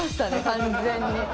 完全に！